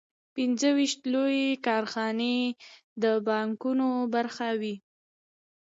پنځه ویشت لویې کارخانې د بانکونو برخه وې